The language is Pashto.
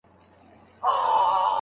اروا